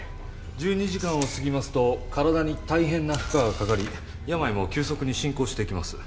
１２時間を過ぎますと体に大変な負荷がかかり病も急速に進行していきます。